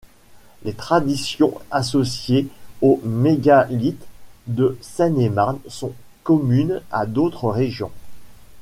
Les traditions associées aux mégalithes de Seine-et-Marne sont communes à d'autres régions.